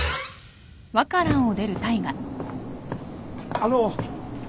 あの